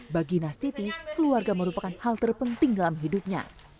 bagi nastiti keluarga merupakan hal terpenting dalam hidupnya